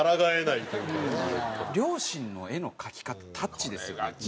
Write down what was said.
両親の絵の描き方タッチですよね。